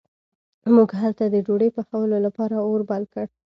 موږ هلته د ډوډۍ پخولو لپاره اور بل کړ.